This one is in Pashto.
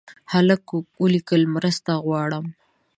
هلک ولیکل مرسته غواړم.